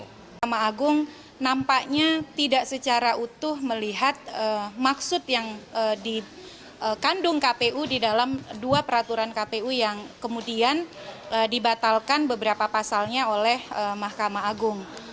mahkamah agung nampaknya tidak secara utuh melihat maksud yang dikandung kpu di dalam dua peraturan kpu yang kemudian dibatalkan beberapa pasalnya oleh mahkamah agung